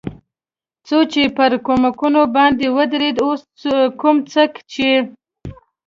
څو چې پر کومکونو باندې ودرېد، اوس کوم څه چې.